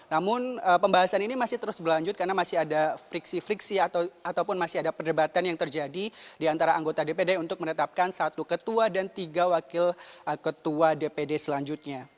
namun pembahasan ini masih terus berlanjut karena masih ada friksi friksi ataupun masih ada perdebatan yang terjadi di antara anggota dpd untuk menetapkan satu ketua dan tiga wakil ketua dpd selanjutnya